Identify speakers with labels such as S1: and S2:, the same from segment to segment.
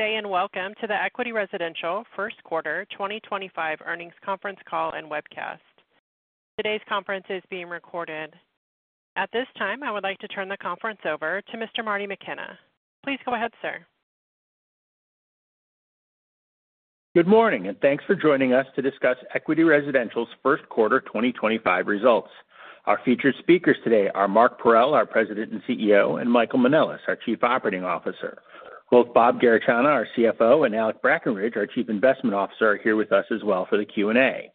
S1: Good day and welcome to the Equity Residential First Quarter 2025 Earnings Conference Call and Webcast. Today's conference is being recorded. At this time, I would like to turn the conference over to Mr. Marty McKenna. Please go ahead, sir.
S2: Good morning, and thanks for joining us to discuss Equity Residential's First Quarter 2025 results. Our featured speakers today are Mark Parrell, our President and CEO, and Michael Manelis, our Chief Operating Officer. Both Bob Garechana, our CFO, and Alec Brackenridge, our Chief Investment Officer, are here with us as well for the Q&A.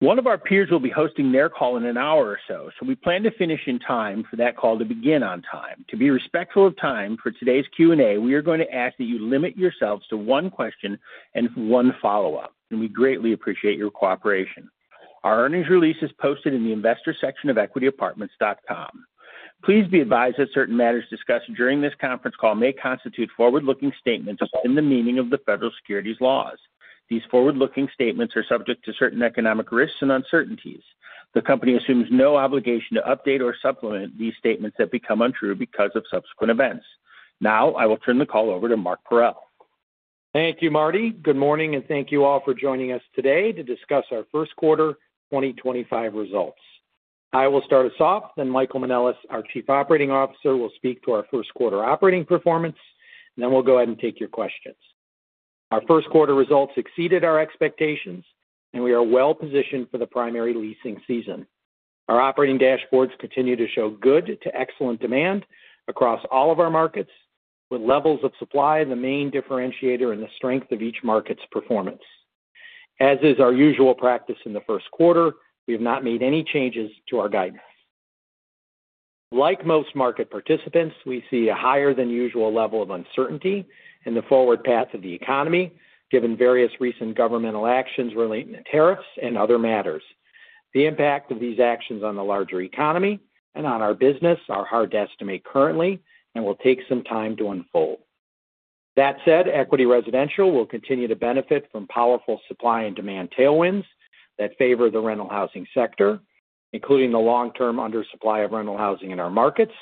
S2: One of our peers will be hosting their call in an hour or so, so we plan to finish in time for that call to begin on time. To be respectful of time for today's Q&A, we are going to ask that you limit yourselves to one question and one follow-up, and we greatly appreciate your cooperation. Our earnings release is posted in the investor section of equityapartments.com. Please be advised that certain matters discussed during this conference call may constitute forward-looking statements in the meaning of the federal securities laws. These forward-looking statements are subject to certain economic risks and uncertainties. The company assumes no obligation to update or supplement these statements that become untrue because of subsequent events. Now, I will turn the call over to Mark Parrell.
S3: Thank you, Marty. Good morning, and thank you all for joining us today to discuss our First Quarter 2025 results. I will start us off, then Michael Manelis, our Chief Operating Officer, will speak to our first quarter operating performance, and then we'll go ahead and take your questions. Our first quarter results exceeded our expectations, and we are well-positioned for the primary leasing season. Our operating dashboards continue to show good to excellent demand across all of our markets, with levels of supply the main differentiator in the strength of each market's performance. As is our usual practice in the first quarter, we have not made any changes to our guidance. Like most market participants, we see a higher-than-usual level of uncertainty in the forward path of the economy, given various recent governmental actions relating to tariffs and other matters. The impact of these actions on the larger economy and on our business are hard to estimate currently and will take some time to unfold. That said, Equity Residential will continue to benefit from powerful supply and demand tailwinds that favor the rental housing sector, including the long-term undersupply of rental housing in our markets,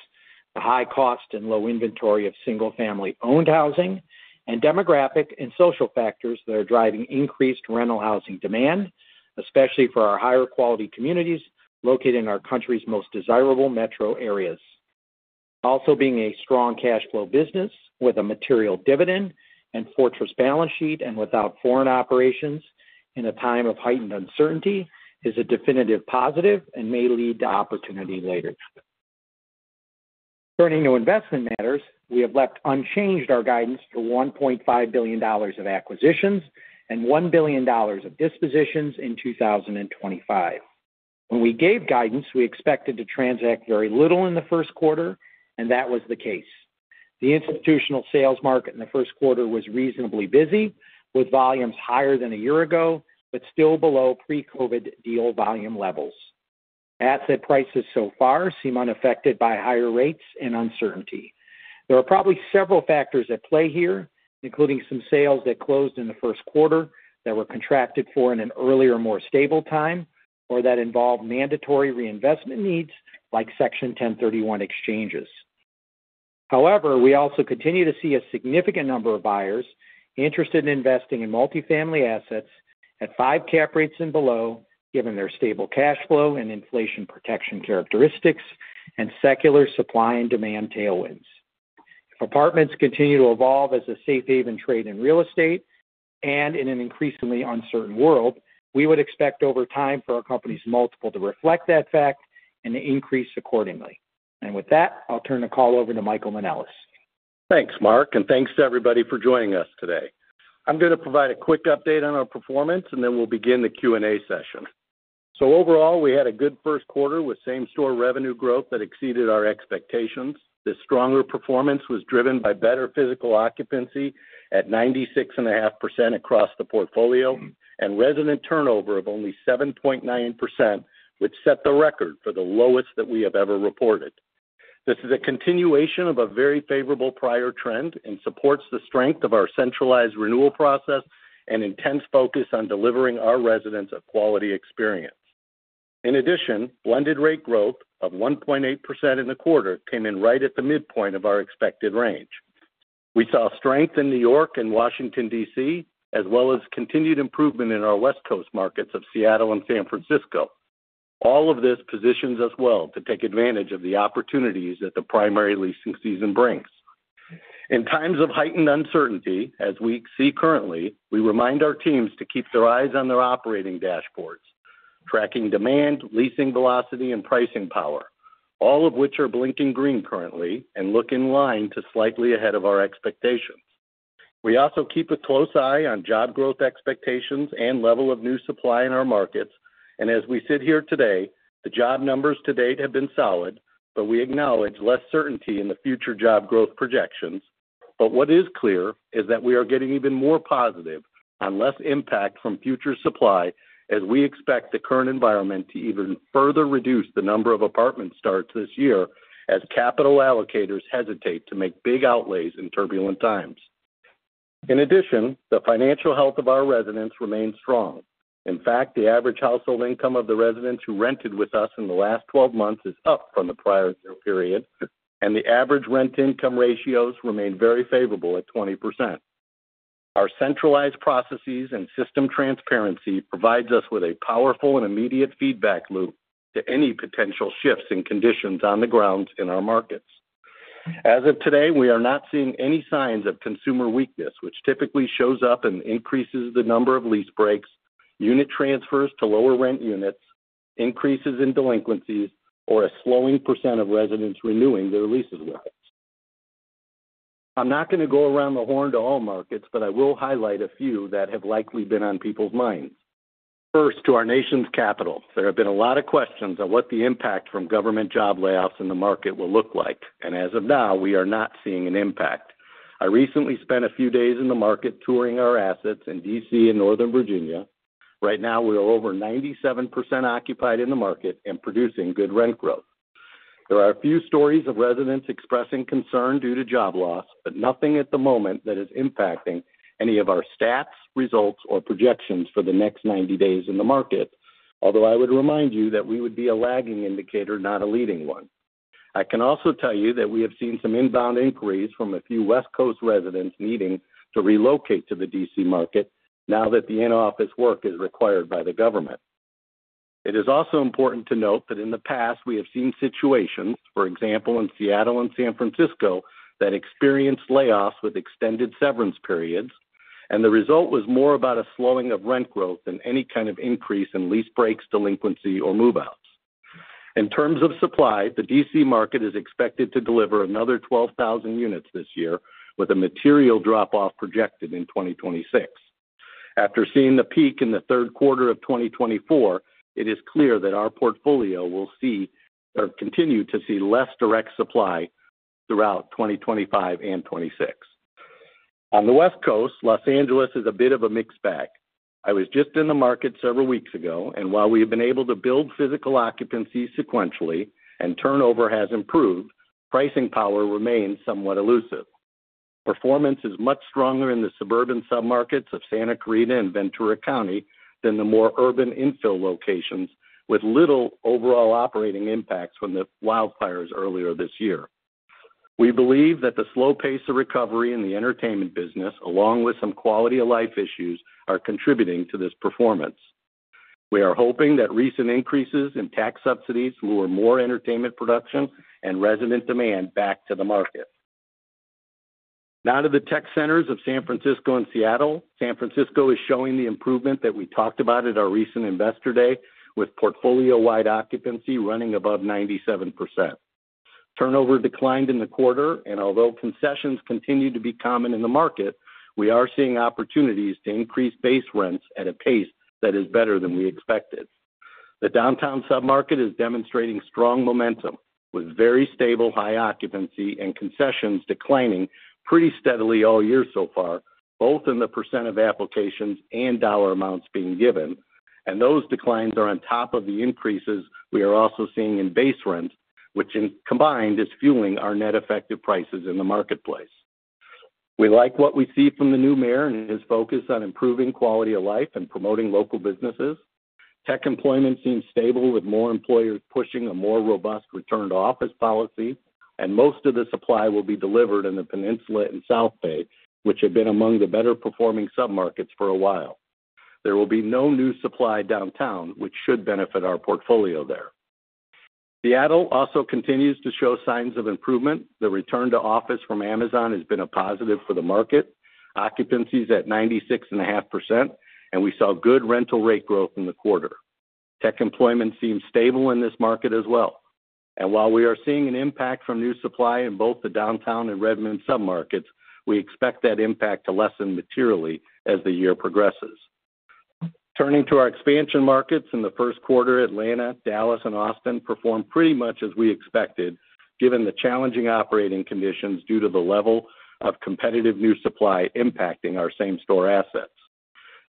S3: the high cost and low inventory of single-family-owned housing, and demographic and social factors that are driving increased rental housing demand, especially for our higher-quality communities located in our country's most desirable metro areas. Also, being a strong cash flow business with a material dividend and fortress balance sheet and without foreign operations in a time of heightened uncertainty is a definitive positive and may lead to opportunity later. Turning to investment matters, we have left unchanged our guidance for $1.5 billion of acquisitions and $1 billion of dispositions in 2025. When we gave guidance, we expected to transact very little in the first quarter, and that was the case. The institutional sales market in the first quarter was reasonably busy, with volumes higher than a year ago, but still below pre-COVID deal volume levels. Asset prices so far seem unaffected by higher rates and uncertainty. There are probably several factors at play here, including some sales that closed in the first quarter that were contracted for in an earlier, more stable time or that involved mandatory reinvestment needs like Section 1031 exchanges. However, we also continue to see a significant number of buyers interested in investing in multifamily assets at 5% cap rates and below, given their stable cash flow and inflation protection characteristics and secular supply and demand tailwinds. If apartments continue to evolve as a safe haven trade in real estate and in an increasingly uncertain world, we would expect over time for our company's multiple to reflect that fact and to increase accordingly. With that, I'll turn the call over to Michael Manelis.
S4: Thanks, Mark, and thanks to everybody for joining us today. I'm going to provide a quick update on our performance, and then we'll begin the Q&A session. Overall, we had a good first quarter with same-store revenue growth that exceeded our expectations. The stronger performance was driven by better physical occupancy at 96.5% across the portfolio and resident turnover of only 7.9%, which set the record for the lowest that we have ever reported. This is a continuation of a very favorable prior trend and supports the strength of our centralized renewal process and intense focus on delivering our residents a quality experience. In addition, blended rate growth of 1.8% in the quarter came in right at the midpoint of our expected range. We saw strength in New York and Washington, D.C., as well as continued improvement in our West Coast markets of Seattle and San Francisco. All of this positions us well to take advantage of the opportunities that the primary leasing season brings. In times of heightened uncertainty, as we see currently, we remind our teams to keep their eyes on their operating dashboards, tracking demand, leasing velocity, and pricing power, all of which are blinking green currently and look in line to slightly ahead of our expectations. We also keep a close eye on job growth expectations and level of new supply in our markets. As we sit here today, the job numbers to date have been solid, but we acknowledge less certainty in the future job growth projections. What is clear is that we are getting even more positive on less impact from future supply as we expect the current environment to even further reduce the number of apartment starts this year as capital allocators hesitate to make big outlays in turbulent times. In addition, the financial health of our residents remains strong. In fact, the average household income of the residents who rented with us in the last 12 months is up from the prior year period, and the average rent-to-income ratios remain very favorable at 20%. Our centralized processes and system transparency provide us with a powerful and immediate feedback loop to any potential shifts in conditions on the ground in our markets. As of today, we are not seeing any signs of consumer weakness, which typically shows up and increases the number of lease breaks, unit transfers to lower-rent units, increases in delinquencies, or a slowing percent of residents renewing their leases with us. I am not going to go around the horn to all markets, but I will highlight a few that have likely been on people's minds. First, to our nation's capital, there have been a lot of questions on what the impact from government job layoffs in the market will look like. As of now, we are not seeing an impact. I recently spent a few days in the market touring our assets in D.C. and Northern Virginia. Right now, we are over 97% occupied in the market and producing good rent growth. There are a few stories of residents expressing concern due to job loss, but nothing at the moment that is impacting any of our stats, results, or projections for the next 90 days in the market, although I would remind you that we would be a lagging indicator, not a leading one. I can also tell you that we have seen some inbound inquiries from a few West Coast residents needing to relocate to the D.C. market now that the in-office work is required by the government. It is also important to note that in the past, we have seen situations, for example, in Seattle and San Francisco, that experienced layoffs with extended severance periods, and the result was more about a slowing of rent growth than any kind of increase in lease breaks, delinquency, or move-outs. In terms of supply, the D.C. market is expected to deliver another 12,000 units this year, with a material drop-off projected in 2026. After seeing the peak in the third quarter of 2024, it is clear that our portfolio will continue to see less direct supply throughout 2025 and 2026. On the West Coast, Los Angeles is a bit of a mixed bag. I was just in the market several weeks ago, and while we have been able to build physical occupancy sequentially and turnover has improved, pricing power remains somewhat elusive. Performance is much stronger in the suburban submarkets of Santa Clarita and Ventura County than the more urban infill locations, with little overall operating impacts from the wildfires earlier this year. We believe that the slow pace of recovery in the entertainment business, along with some quality-of-life issues, are contributing to this performance. We are hoping that recent increases in tax subsidies lure more entertainment production and resident demand back to the market. Now to the tech centers of San Francisco and Seattle. San Francisco is showing the improvement that we talked about at our recent Investor Day, with portfolio-wide occupancy running above 97%. Turnover declined in the quarter, and although concessions continue to be common in the market, we are seeing opportunities to increase base rents at a pace that is better than we expected. The downtown submarket is demonstrating strong momentum, with very stable high occupancy and concessions declining pretty steadily all year so far, both in the percent of applications and dollar amounts being given. Those declines are on top of the increases we are also seeing in base rent, which combined is fueling our net effective prices in the marketplace. We like what we see from the new mayor and his focus on improving quality of life and promoting local businesses. Tech employment seems stable, with more employers pushing a more robust return-to-office policy, and most of the supply will be delivered in the Peninsula and South Bay, which have been among the better-performing submarkets for a while. There will be no new supply downtown, which should benefit our portfolio there. Seattle also continues to show signs of improvement. The return-to-office from Amazon has been a positive for the market, occupancies at 96.5%, and we saw good rental rate growth in the quarter. Tech employment seems stable in this market as well. While we are seeing an impact from new supply in both the downtown and Redmond submarkets, we expect that impact to lessen materially as the year progresses. Turning to our expansion markets, in the first quarter, Atlanta, Dallas, and Austin performed pretty much as we expected, given the challenging operating conditions due to the level of competitive new supply impacting our same-store assets.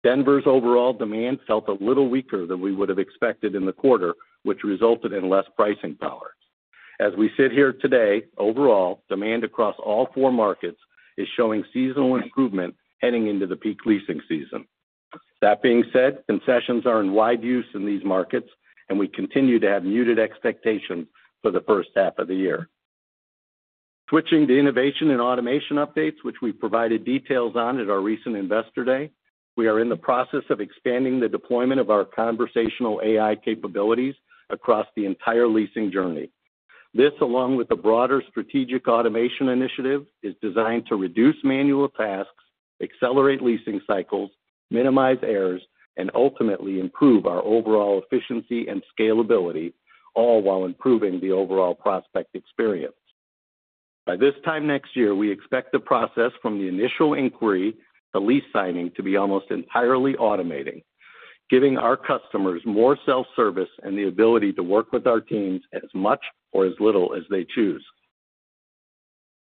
S4: Denver's overall demand felt a little weaker than we would have expected in the quarter, which resulted in less pricing power. As we sit here today, overall, demand across all four markets is showing seasonal improvement heading into the peak leasing season. That being said, concessions are in wide use in these markets, and we continue to have muted expectations for the first half of the year. Switching to innovation and automation updates, which we've provided details on at our recent Investor Day, we are in the process of expanding the deployment of our conversational AI capabilities across the entire leasing journey. This, along with the broader strategic automation initiative, is designed to reduce manual tasks, accelerate leasing cycles, minimize errors, and ultimately improve our overall efficiency and scalability, all while improving the overall prospect experience. By this time next year, we expect the process from the initial inquiry to lease signing to be almost entirely automated, giving our customers more self-service and the ability to work with our teams as much or as little as they choose.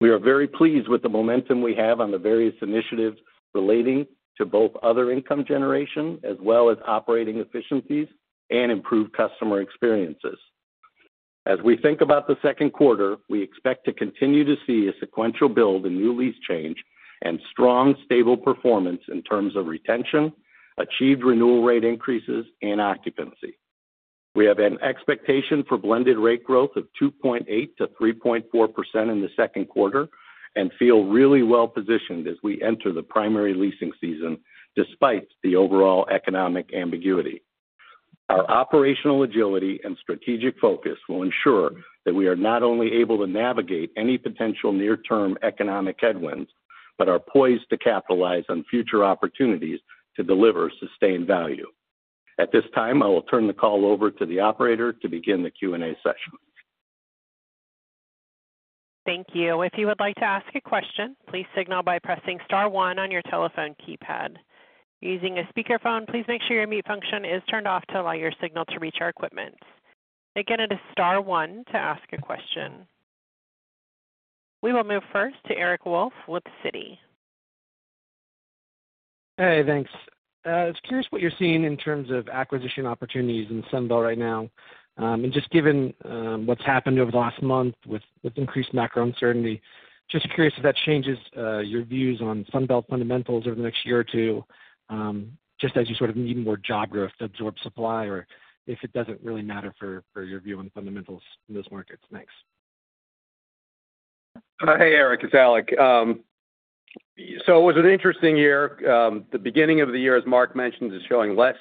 S4: We are very pleased with the momentum we have on the various initiatives relating to both other income generation as well as operating efficiencies and improved customer experiences. As we think about the second quarter, we expect to continue to see a sequential build in new lease change and strong, stable performance in terms of retention, achieved renewal rate increases, and occupancy. We have an expectation for blended rate growth of 2.8-3.4% in the second quarter and feel really well-positioned as we enter the primary leasing season despite the overall economic ambiguity. Our operational agility and strategic focus will ensure that we are not only able to navigate any potential near-term economic headwinds, but are poised to capitalize on future opportunities to deliver sustained value. At this time, I will turn the call over to the operator to begin the Q&A session.
S1: Thank you. If you would like to ask a question, please signal by pressing star one on your telephone keypad. Using a speakerphone, please make sure your mute function is turned off to allow your signal to reach our equipment. Again, it is star one to ask a question. We will move first to Eric Wolfe with Citi.
S5: Hey, thanks. I was curious what you're seeing in terms of acquisition opportunities in Sunbelt right now. Just given what's happened over the last month with increased macro uncertainty, just curious if that changes your views on Sunbelt fundamentals over the next year or two, just as you sort of need more job growth to absorb supply, or if it doesn't really matter for your view on fundamentals in those markets. Thanks.
S6: Hey, Eric. It's Alec. It was an interesting year. The beginning of the year, as Mark mentioned, is showing less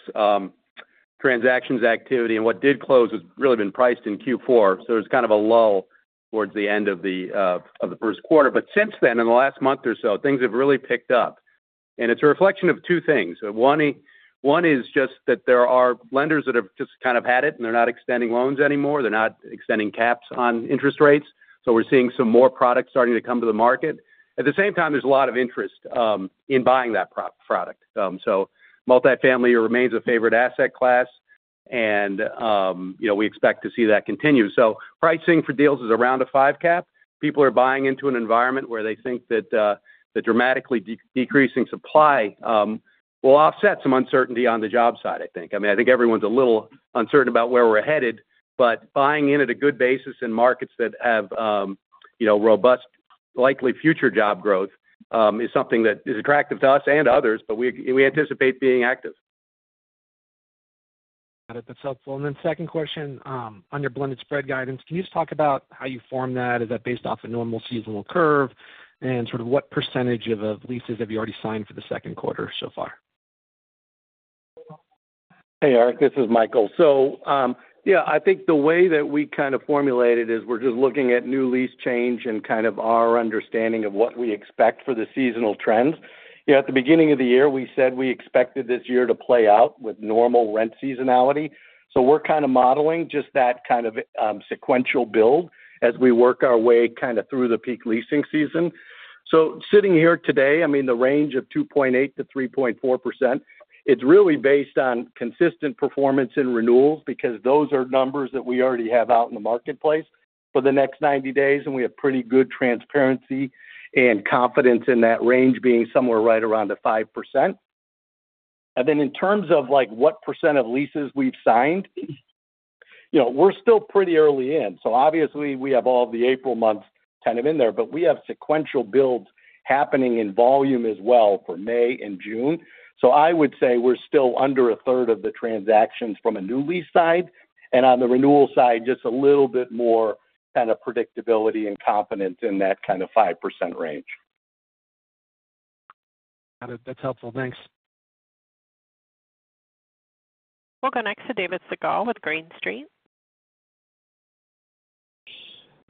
S6: transactions activity. What did close has really been priced in Q4, so it was kind of a lull towards the end of the first quarter. Since then, in the last month or so, things have really picked up. It is a reflection of two things. One is just that there are lenders that have just kind of had it, and they're not extending loans anymore. They're not extending caps on interest rates. We're seeing some more products starting to come to the market. At the same time, there's a lot of interest in buying that product. Multifamily remains a favorite asset class, and we expect to see that continue. Pricing for deals is around a five-cap. People are buying into an environment where they think that the dramatically decreasing supply will offset some uncertainty on the job side, I think. I mean, I think everyone's a little uncertain about where we're headed, but buying in at a good basis in markets that have robust, likely future job growth is something that is attractive to us and others, but we anticipate being active.
S5: Got it. That's helpful. Second question on your blended spread guidance, can you just talk about how you form that? Is that based off a normal seasonal curve? And sort of what percentage of leases have you already signed for the second quarter so far?
S4: Hey, Eric. This is Michael. Yeah, I think the way that we kind of formulate it is we're just looking at new lease change and kind of our understanding of what we expect for the seasonal trends. At the beginning of the year, we said we expected this year to play out with normal rent seasonality. We're kind of modeling just that kind of sequential build as we work our way kind of through the peak leasing season. Sitting here today, the range of 2.8-3.4% is really based on consistent performance in renewals because those are numbers that we already have out in the marketplace for the next 90 days, and we have pretty good transparency and confidence in that range being somewhere right around a 5%. In terms of what percent of leases we've signed, we're still pretty early in. Obviously, we have all the April months kind of in there, but we have sequential builds happening in volume as well for May and June. I would say we're still under a third of the transactions from a new lease side. On the renewal side, just a little bit more kind of predictability and confidence in that kind of 5% range.
S5: Got it. That's helpful. Thanks.
S4: Welcome.
S1: Next to David Segall with Green Street.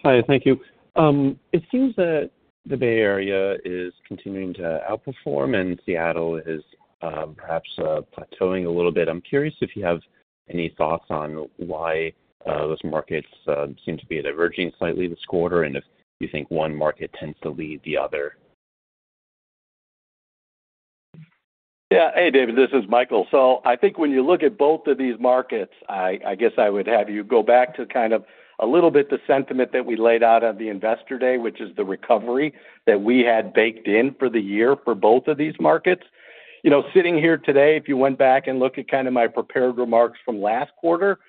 S7: Hi. Thank you. It seems that the Bay Area is continuing to outperform, and Seattle is perhaps plateauing a little bit. I'm curious if you have any thoughts on why those markets seem to be diverging slightly this quarter and if you think one market tends to lead the other.
S4: Yeah. Hey, David. This is Michael. I think when you look at both of these markets, I guess I would have you go back to kind of a little bit the sentiment that we laid out on the Investor Day, which is the recovery that we had baked in for the year for both of these markets. Sitting here today, if you went back and looked at kind of my prepared remarks from last quarter,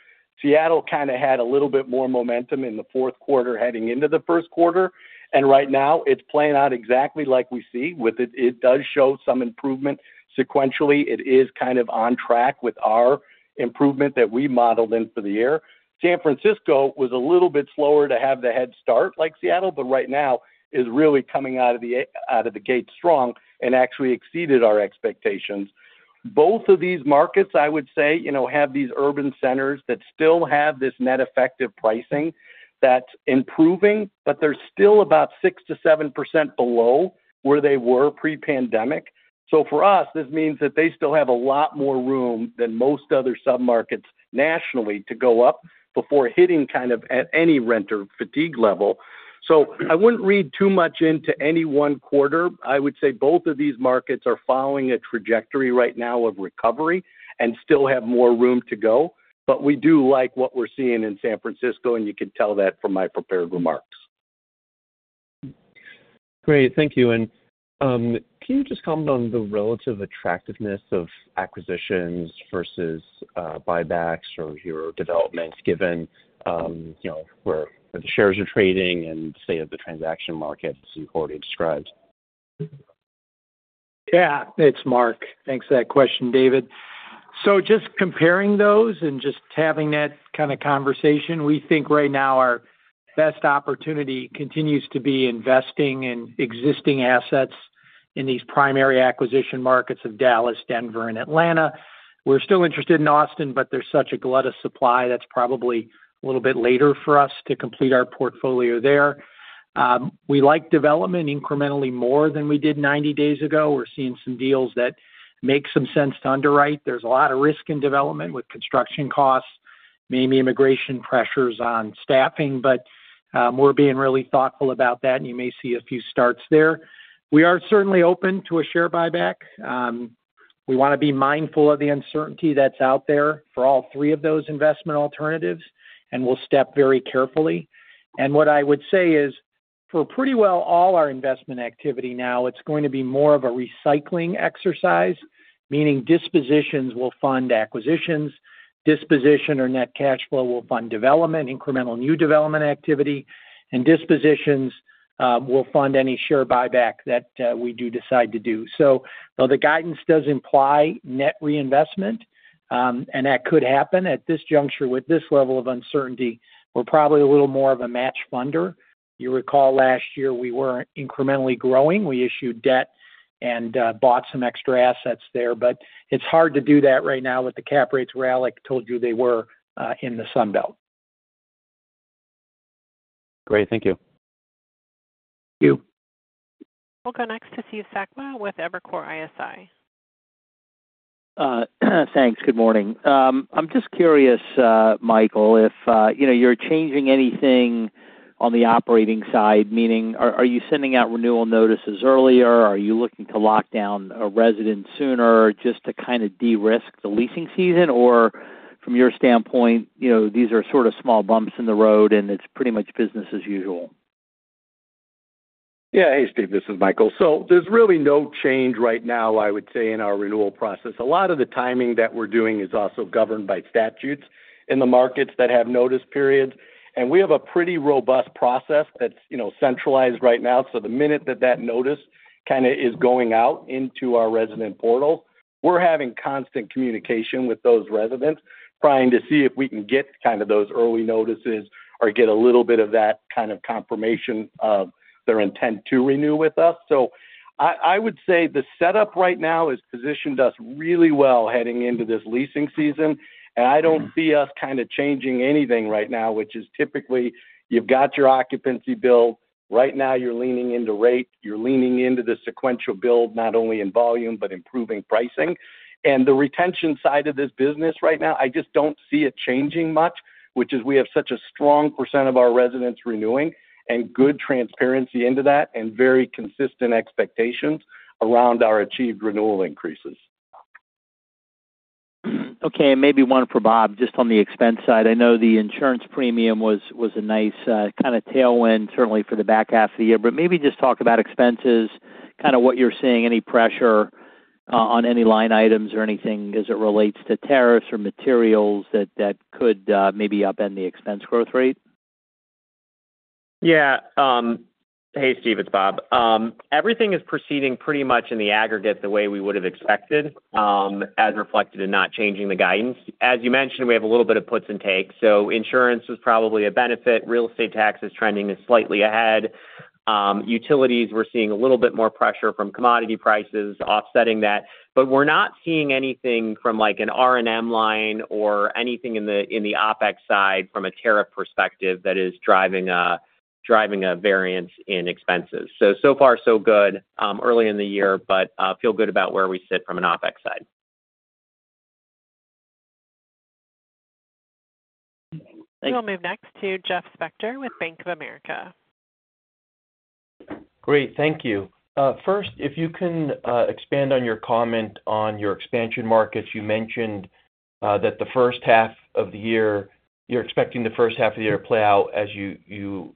S4: Seattle kind of had a little bit more momentum in the fourth quarter heading into the first quarter. Right now, it's playing out exactly like we see. It does show some improvement sequentially. It is kind of on track with our improvement that we modeled in for the year. San Francisco was a little bit slower to have the head start like Seattle, but right now is really coming out of the gate strong and actually exceeded our expectations. Both of these markets, I would say, have these urban centers that still have this net effective pricing that's improving, but they're still about 6-7% below where they were pre-pandemic. For us, this means that they still have a lot more room than most other submarkets nationally to go up before hitting kind of at any renter fatigue level. I would not read too much into any one quarter. I would say both of these markets are following a trajectory right now of recovery and still have more room to go. We do like what we're seeing in San Francisco, and you can tell that from my prepared remarks.
S7: Great. Thank you. Can you just comment on the relative attractiveness of acquisitions versus buybacks or zero developments given where the shares are trading and, say, the transaction market as you've already described?
S3: Yeah. It's Mark. Thanks for that question, David. Just comparing those and just having that kind of conversation, we think right now our best opportunity continues to be investing in existing assets in these primary acquisition markets of Dallas, Denver, and Atlanta. We're still interested in Austin, but there's such a glut of supply that's probably a little bit later for us to complete our portfolio there. We like development incrementally more than we did 90 days ago. We're seeing some deals that make some sense to underwrite. There's a lot of risk in development with construction costs, maybe immigration pressures on staffing, but we're being really thoughtful about that, and you may see a few starts there. We are certainly open to a share buyback. We want to be mindful of the uncertainty that's out there for all three of those investment alternatives, and we'll step very carefully. What I would say is for pretty well all our investment activity now, it is going to be more of a recycling exercise, meaning dispositions will fund acquisitions. Disposition or net cash flow will fund development, incremental new development activity, and dispositions will fund any share buyback that we do decide to do. Though the guidance does imply net reinvestment, and that could happen at this juncture with this level of uncertainty, we are probably a little more of a match funder. You recall last year we were incrementally growing. We issued debt and bought some extra assets there, but it is hard to do that right now with the cap rates where Alec told you they were in the Sunbelt.
S7: Great. Thank you.
S3: Thank you.
S1: We'll go next to Steve Sakwa with Evercore ISI.
S8: Thanks. Good morning. I'm just curious, Michael, if you're changing anything on the operating side, meaning are you sending out renewal notices earlier? Are you looking to lock down a resident sooner just to kind of de-risk the leasing season? Or from your standpoint, these are sort of small bumps in the road, and it's pretty much business as usual?
S4: Yeah. Hey, Steve. This is Michael. So there's really no change right now, I would say, in our renewal process. A lot of the timing that we're doing is also governed by statutes in the markets that have notice periods. And we have a pretty robust process that's centralized right now. The minute that that notice kind of is going out into our resident portal, we're having constant communication with those residents trying to see if we can get kind of those early notices or get a little bit of that kind of confirmation of their intent to renew with us. I would say the setup right now has positioned us really well heading into this leasing season. I don't see us kind of changing anything right now, which is typically you've got your occupancy build. Right now, you're leaning into rate. You're leaning into the sequential build, not only in volume, but improving pricing. The retention side of this business right now, I just don't see it changing much, which is we have such a strong percent of our residents renewing and good transparency into that and very consistent expectations around our achieved renewal increases.
S8: Okay. Maybe one for Bob, just on the expense side. I know the insurance premium was a nice kind of tailwind, certainly for the back half of the year. Maybe just talk about expenses, kind of what you're seeing, any pressure on any line items or anything as it relates to tariffs or materials that could maybe upend the expense growth rate.
S9: Yeah. Hey, Steve. It's Bob. Everything is proceeding pretty much in the aggregate the way we would have expected as reflected in not changing the guidance. As you mentioned, we have a little bit of puts and takes. Insurance is probably a benefit. Real estate tax is trending slightly ahead. Utilities, we're seeing a little bit more pressure from commodity prices offsetting that. We're not seeing anything from an R&M line or anything in the OpEx side from a tariff perspective that is driving a variance in expenses. So far, so good. Early in the year, but feel good about where we sit from an OpEx side.
S1: We'll move next to Jeff Spector with Bank of America.
S10: Great. Thank you. First, if you can expand on your comment on your expansion markets. You mentioned that the first half of the year, you're expecting the first half of the year to play out as you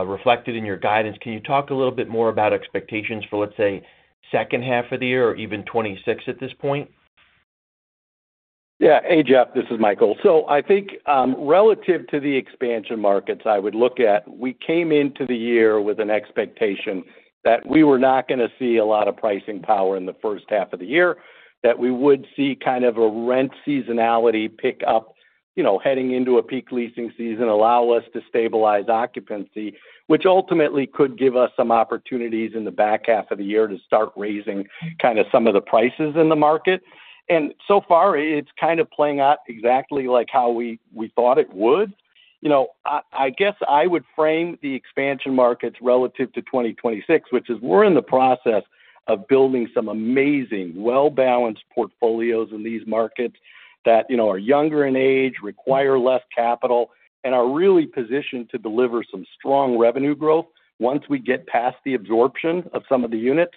S10: reflected in your guidance. Can you talk a little bit more about expectations for, let's say, second half of the year or even 2026 at this point?
S4: Yeah. Hey, Jeff. This is Michael. I think relative to the expansion markets I would look at, we came into the year with an expectation that we were not going to see a lot of pricing power in the first half of the year, that we would see kind of a rent seasonality pick up heading into a peak leasing season allow us to stabilize occupancy, which ultimately could give us some opportunities in the back half of the year to start raising kind of some of the prices in the market. So far, it's kind of playing out exactly like how we thought it would. I guess I would frame the expansion markets relative to 2026, which is we're in the process of building some amazing, well-balanced portfolios in these markets that are younger in age, require less capital, and are really positioned to deliver some strong revenue growth once we get past the absorption of some of the units.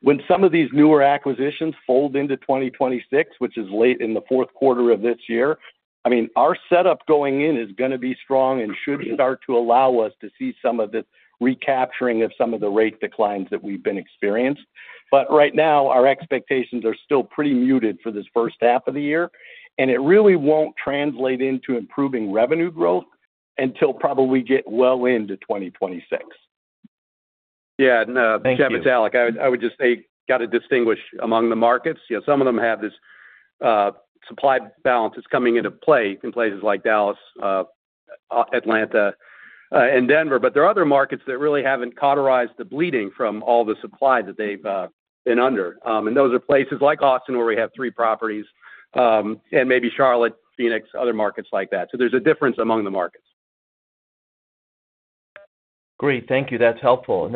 S4: When some of these newer acquisitions fold into 2026, which is late in the fourth quarter of this year, I mean, our setup going in is going to be strong and should start to allow us to see some of the recapturing of some of the rate declines that we've been experiencing. Right now, our expectations are still pretty muted for this first half of the year. It really won't translate into improving revenue growth until probably we get well into 2026.
S6: Yeah. Jeff, it's Alec. I would just say you got to distinguish among the markets. Some of them have this supply balance that's coming into play in places like Dallas, Atlanta, and Denver. There are other markets that really have not cauterized the bleeding from all the supply that they have been under. Those are places like Austin, where we have three properties, and maybe Charlotte, Phoenix, other markets like that. There is a difference among the markets.
S10: Great. Thank you. That's helpful.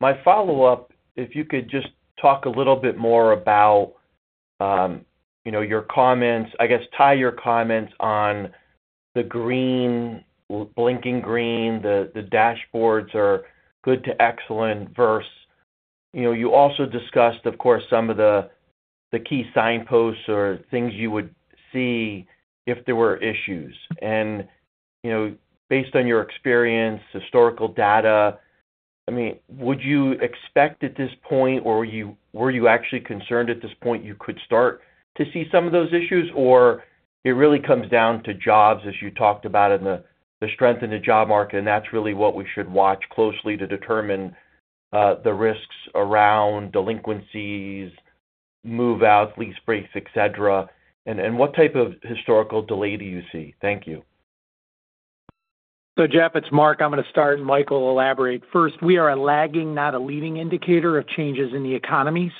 S10: My follow-up, if you could just talk a little bit more about your comments, I guess tie your comments on the blinking green, the dashboards are good to excellent versus you also discussed, of course, some of the key signposts or things you would see if there were issues. Based on your experience, historical data, I mean, would you expect at this point, or were you actually concerned at this point you could start to see some of those issues? It really comes down to jobs, as you talked about, and the strength in the job market, and that's really what we should watch closely to determine the risks around delinquencies, move-outs, lease breaks, etc.? What type of historical delay do you see? Thank you.
S3: Jeff, it's Mark. I'm going to start, and Michael will elaborate. First, we are a lagging, not a leading indicator of changes in the economy.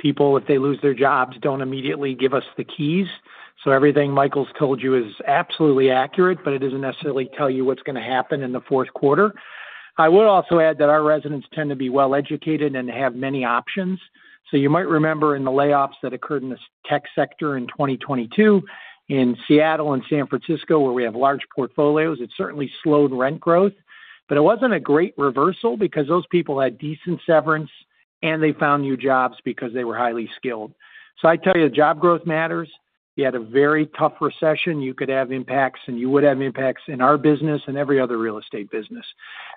S3: People, if they lose their jobs, do not immediately give us the keys. Everything Michael's told you is absolutely accurate, but it does not necessarily tell you what's going to happen in the fourth quarter. I will also add that our residents tend to be well-educated and have many options. You might remember in the layoffs that occurred in the tech sector in 2022 in Seattle and San Francisco, where we have large portfolios, it certainly slowed rent growth. It was not a great reversal because those people had decent severance, and they found new jobs because they were highly skilled. I tell you, job growth matters. You had a very tough recession. You could have impacts, and you would have impacts in our business and every other real estate business.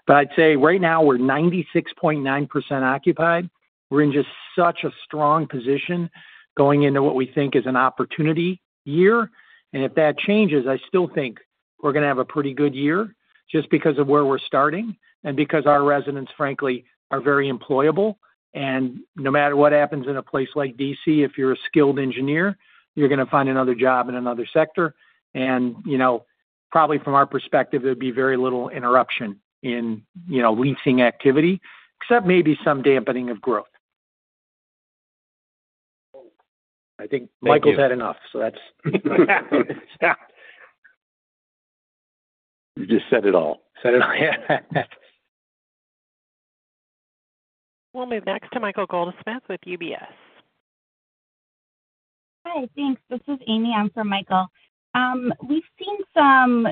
S3: I'd say right now, we're 96.9% occupied. We're in just such a strong position going into what we think is an opportunity year. If that changes, I still think we're going to have a pretty good year just because of where we're starting and because our residents, frankly, are very employable. No matter what happens in a place like D.C., if you're a skilled engineer, you're going to find another job in another sector. Probably from our perspective, there'd be very little interruption in leasing activity, except maybe some dampening of growth. I think Michael's had enough, so that's right.
S4: You just said it all. Said it all. Yeah.
S1: We'll move next to Michael Goldsmith with UBS.
S11: Hi. Thanks. This is Amy on for Michael. We've seen some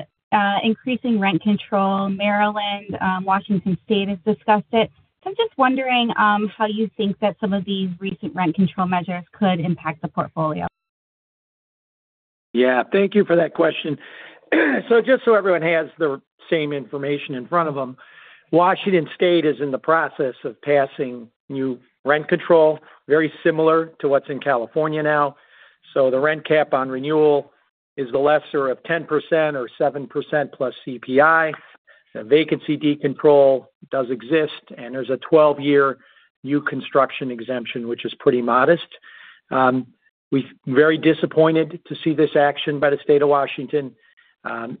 S11: increasing rent control. Maryland, Washington State has discussed it. I'm just wondering how you think that some of these recent rent control measures could impact the portfolio.
S3: Yeah. Thank you for that question. Just so everyone has the same information in front of them, Washington State is in the process of passing new rent control, very similar to what is in California now. The rent cap on renewal is the lesser of 10% or 7% plus CPI. Vacancy decontrol does exist, and there is a 12-year new construction exemption, which is pretty modest. We are very disappointed to see this action by the state of Washington.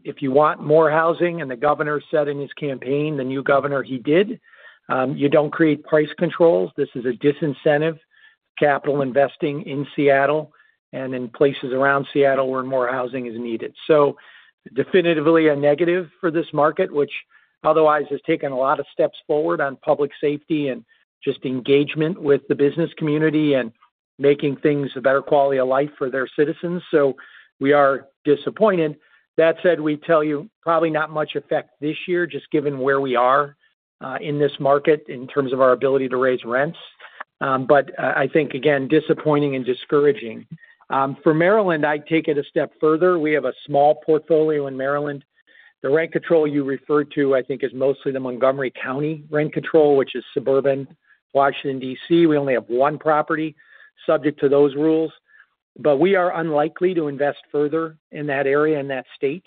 S3: If you want more housing, and the governor said in his campaign, the new governor, he did, you do not create price controls. This is a disincentive to capital investing in Seattle and in places around Seattle where more housing is needed. Definitively a negative for this market, which otherwise has taken a lot of steps forward on public safety and just engagement with the business community and making things a better quality of life for their citizens. We are disappointed. That said, we tell you, probably not much effect this year, just given where we are in this market in terms of our ability to raise rents. I think, again, disappointing and discouraging. For Maryland, I'd take it a step further. We have a small portfolio in Maryland. The rent control you referred to, I think, is mostly the Montgomery County rent control, which is suburban Washington, D.C. We only have one property subject to those rules. We are unlikely to invest further in that area in that state.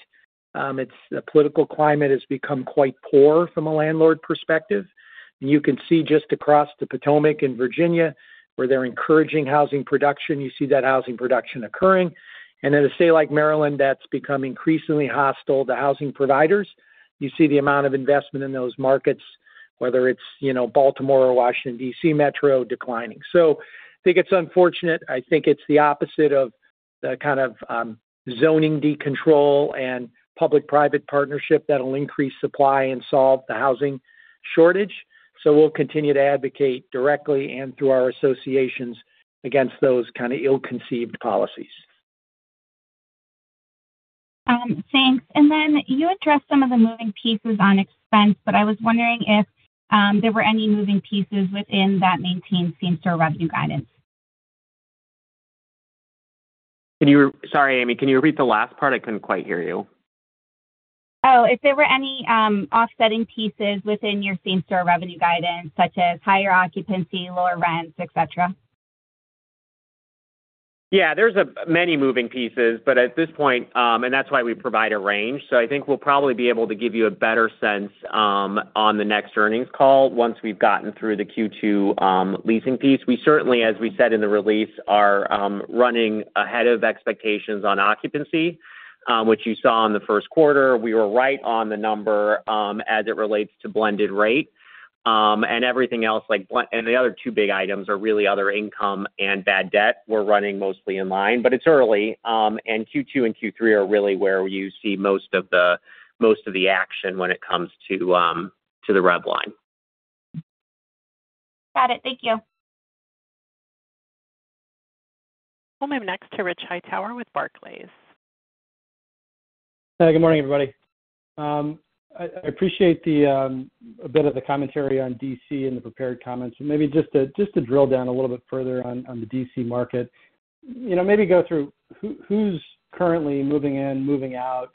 S3: The political climate has become quite poor from a landlord perspective. You can see just across the Potomac in Virginia where they're encouraging housing production. You see that housing production occurring. In a state like Maryland, that's become increasingly hostile to housing providers, you see the amount of investment in those markets, whether it's Baltimore or Washington, D.C. metro, declining. I think it's unfortunate. I think it's the opposite of the kind of zoning decontrol and public-private partnership that'll increase supply and solve the housing shortage. We'll continue to advocate directly and through our associations against those kind of ill-conceived policies.
S11: Thanks. You addressed some of the moving pieces on expense, but I was wondering if there were any moving pieces within that maintained same-store revenue guidance.
S3: Sorry, Amy. Can you repeat the last part? I could not quite hear you.
S11: Oh, if there were any offsetting pieces within your same-store revenue guidance, such as higher occupancy, lower rents, etc.?
S3: Yeah. There are many moving pieces, but at this point, and that is why we provide a range. I think we will probably be able to give you a better sense on the next earnings call once we have gotten through the Q2 leasing piece. We certainly, as we said in the release, are running ahead of expectations on occupancy, which you saw in the first quarter. We were right on the number as it relates to blended rate. Everything else, and the other two big items are really other income and bad debt. We are running mostly in line, but it is early. Q2 and Q3 are really where you see most of the action when it comes to the red line.
S11: Got it. Thank you.
S1: We'll move next to Rich Hightower with Barclays.
S12: Good morning, everybody. I appreciate a bit of the commentary on D.C. and the prepared comments. Maybe just to drill down a little bit further on the D.C. market, maybe go through who's currently moving in, moving out.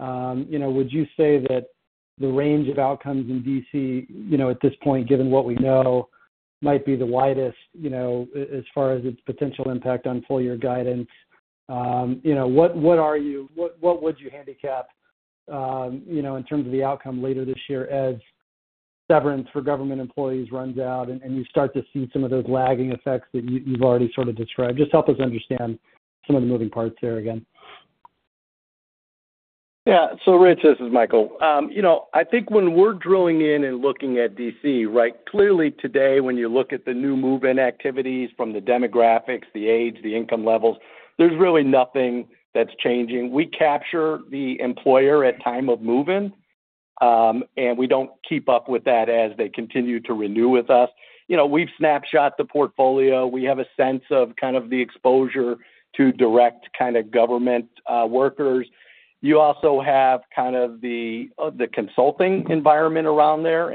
S12: Would you say that the range of outcomes in D.C. at this point, given what we know, might be the widest as far as its potential impact on full-year guidance? What are you what would you handicap in terms of the outcome later this year as severance for government employees runs out and you start to see some of those lagging effects that you've already sort of described? Just help us understand some of the moving parts there again.
S4: Yeah. Rich, this is Michael. I think when we're drilling in and looking at D.C., right, clearly today, when you look at the new move-in activities from the demographics, the age, the income levels, there's really nothing that's changing. We capture the employer at time of move-in, and we don't keep up with that as they continue to renew with us. We've snapshot the portfolio. We have a sense of kind of the exposure to direct kind of government workers. You also have kind of the consulting environment around there.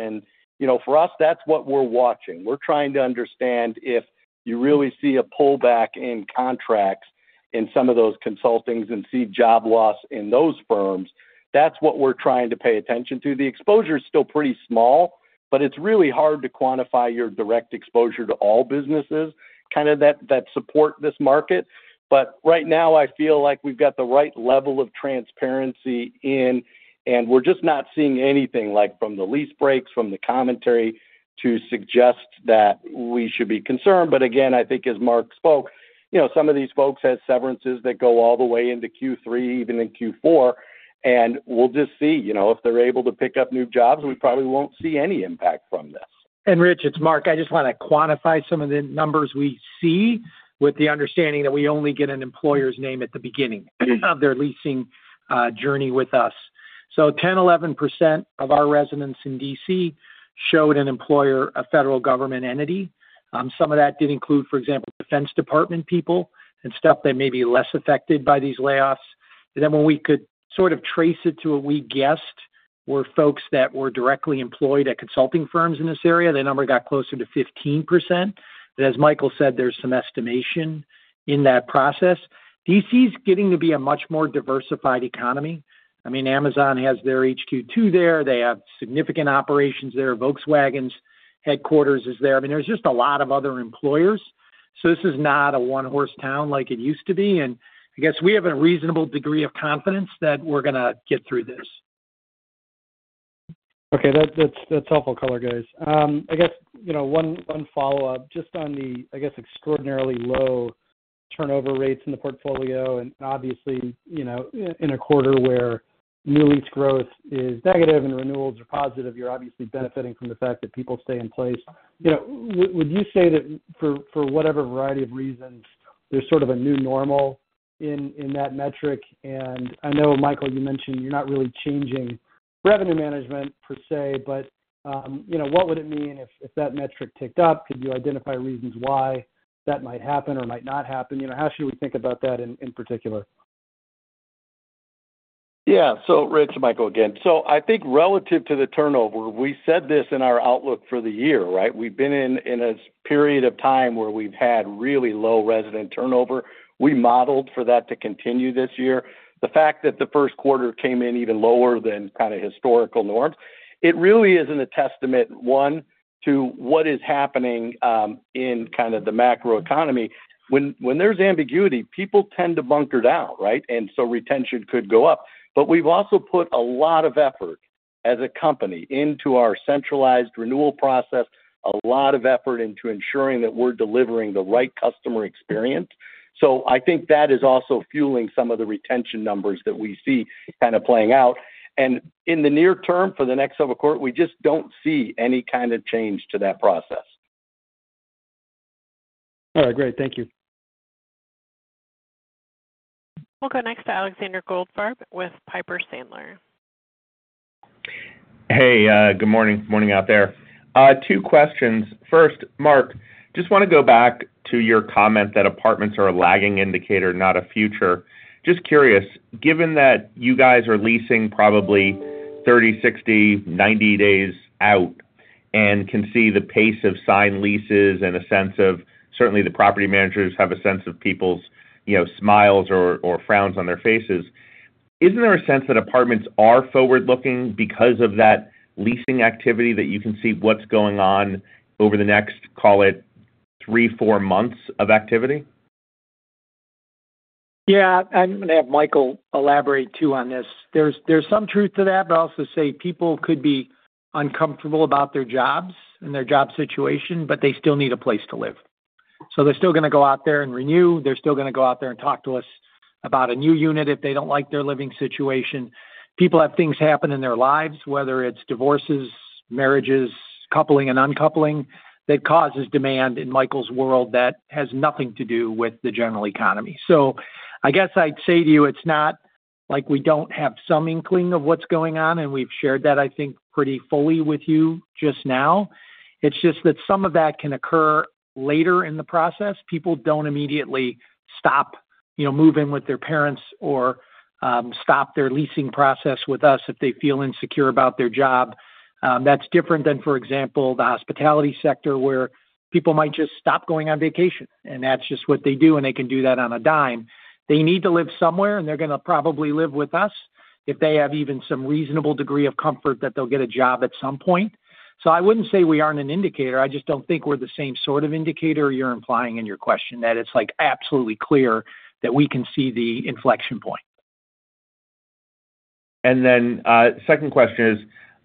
S4: For us, that's what we're watching. We're trying to understand if you really see a pullback in contracts in some of those consultings and see job loss in those firms. That's what we're trying to pay attention to. The exposure is still pretty small, but it's really hard to quantify your direct exposure to all businesses, kind of that support this market. Right now, I feel like we've got the right level of transparency in, and we're just not seeing anything from the lease breaks, from the commentary to suggest that we should be concerned. I think as Mark spoke, some of these folks have severances that go all the way into Q3, even in Q4. We'll just see. If they're able to pick up new jobs, we probably won't see any impact from this.
S3: Rich, it's Mark. I just want to quantify some of the numbers we see with the understanding that we only get an employer's name at the beginning of their leasing journey with us. 10-11% of our residents in D.C. showed an employer, a federal government entity. Some of that did include, for example, Defense Department people and stuff that may be less affected by these layoffs. When we could sort of trace it to a weak guess were folks that were directly employed at consulting firms in this area, the number got closer to 15%. As Michael said, there's some estimation in that process. D.C. is getting to be a much more diversified economy. I mean, Amazon has their HQ2 there. They have significant operations there. Volkswagen's headquarters is there. I mean, there's just a lot of other employers. This is not a one-horse town like it used to be. I guess we have a reasonable degree of confidence that we're going to get through this.
S12: Okay. That's helpful color, guys. I guess one follow-up just on the, I guess, extraordinarily low turnover rates in the portfolio. Obviously, in a quarter where new lease growth is negative and renewals are positive, you're obviously benefiting from the fact that people stay in place. Would you say that for whatever variety of reasons, there's sort of a new normal in that metric? I know, Michael, you mentioned you're not really changing revenue management per se, but what would it mean if that metric ticked up? Could you identify reasons why that might happen or might not happen? How should we think about that in particular?
S4: Yeah. Rich, Michael again. I think relative to the turnover, we said this in our outlook for the year, right? We've been in a period of time where we've had really low resident turnover. We modeled for that to continue this year. The fact that the first quarter came in even lower than kind of historical norms, it really is a testament, one, to what is happening in kind of the macroeconomy. When there's ambiguity, people tend to bunker down, right? Retention could go up. We've also put a lot of effort as a company into our centralized renewal process, a lot of effort into ensuring that we're delivering the right customer experience. I think that is also fueling some of the retention numbers that we see kind of playing out. In the near term for the next several quarters, we just don't see any kind of change to that process.
S12: All right. Great. Thank you.
S1: We'll go next to Alexander Goldfarb with Piper Sandler.
S13: Hey. Good morning. Good morning out there. Two questions. First, Mark, just want to go back to your comment that apartments are a lagging indicator, not a future. Just curious, given that you guys are leasing probably 30, 60, 90 days out and can see the pace of signed leases and a sense of certainly the property managers have a sense of people's smiles or frowns on their faces, isn't there a sense that apartments are forward-looking because of that leasing activity that you can see what's going on over the next, call it, three, four months of activity?
S3: Yeah. I'm going to have Michael elaborate too on this. There's some truth to that, but I'll also say people could be uncomfortable about their jobs and their job situation, but they still need a place to live. They're still going to go out there and renew. They're still going to go out there and talk to us about a new unit if they don't like their living situation. People have things happen in their lives, whether it's divorces, marriages, coupling, and uncoupling that causes demand in Michael's world that has nothing to do with the general economy. I guess I'd say to you, it's not like we don't have some inkling of what's going on, and we've shared that, I think, pretty fully with you just now. It's just that some of that can occur later in the process. People do not immediately stop moving with their parents or stop their leasing process with us if they feel insecure about their job. That is different than, for example, the hospitality sector where people might just stop going on vacation, and that is just what they do, and they can do that on a dime. They need to live somewhere, and they are going to probably live with us if they have even some reasonable degree of comfort that they will get a job at some point. I would not say we are not an indicator. I just do not think we are the same sort of indicator you are implying in your question, that it is absolutely clear that we can see the inflection point.
S13: The second question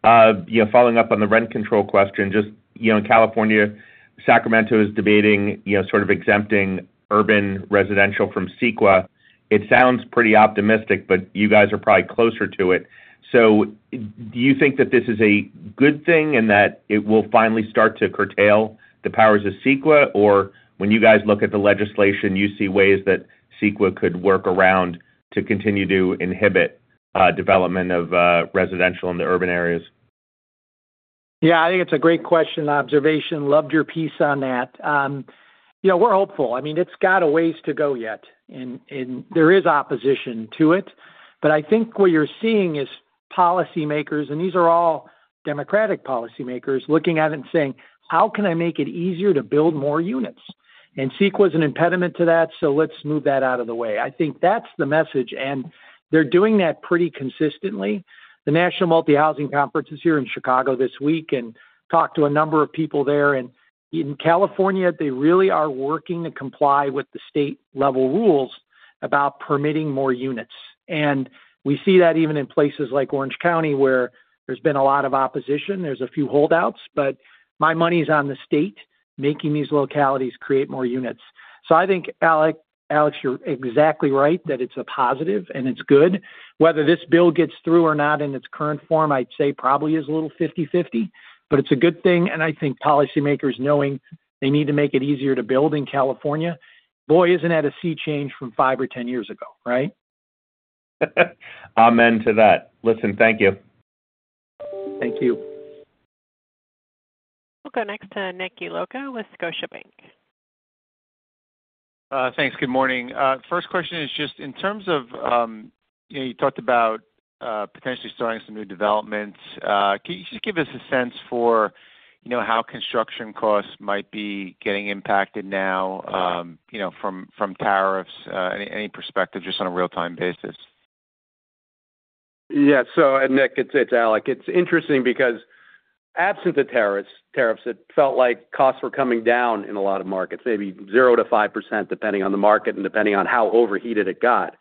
S13: is, following up on the rent control question, just in California, Sacramento is debating sort of exempting urban residential from CEQA. It sounds pretty optimistic, but you guys are probably closer to it. Do you think that this is a good thing and that it will finally start to curtail the powers of CEQA, or when you guys look at the legislation, you see ways that CEQA could work around to continue to inhibit development of residential in the urban areas?
S3: Yeah. I think it's a great question and observation. Loved your piece on that. We're hopeful. I mean, it's got a ways to go yet. There is opposition to it. I think what you're seeing is policymakers, and these are all Democratic policymakers, looking at it and saying, "How can I make it easier to build more units?" CEQA is an impediment to that, so let's move that out of the way. I think that's the message. They're doing that pretty consistently. The National Multi Housing Conference is here in Chicago this week and talked to a number of people there. In California, they really are working to comply with the state-level rules about permitting more units. We see that even in places like Orange County where there's been a lot of opposition. There's a few holdouts, but my money's on the state making these localities create more units. I think, Alex, you're exactly right that it's a positive and it's good. Whether this bill gets through or not in its current form, I'd say probably is a little 50/50, but it's a good thing. I think policymakers knowing they need to make it easier to build in California, boy, isn't that a sea change from 5 or 10 years ago, right?
S13: I'm into that. Listen, thank you.
S3: Thank you.
S1: We'll go next to Nick Yulico with Scotiabank.
S14: Thanks. Good morning. First question is just in terms of you talked about potentially starting some new developments. Can you just give us a sense for how construction costs might be getting impacted now from tariffs, any perspective just on a real-time basis?
S6: Yeah. Nick, it's Alec. It's interesting because absent the tariffs, it felt like costs were coming down in a lot of markets, maybe 0-5% depending on the market and depending on how overheated it got.